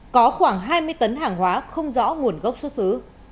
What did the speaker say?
có khoảng hai mươi tấn hàng hóa không rõ nguồn gốc xuất xứ